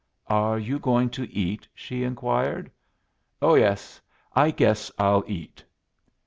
"Are you going to eat?" she inquired. "Oh yes. I guess I'll eat."